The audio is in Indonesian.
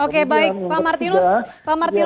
kemudian yang ketiga